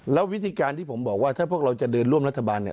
แล้ววิธีการที่ผมบอกว่าถ้าพวกเราจะเดินร่วมรัฐบาลเนี่ย